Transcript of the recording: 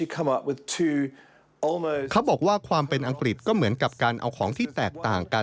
เขาบอกว่าความเป็นอังกฤษก็เหมือนกับการเอาของที่แตกต่างกัน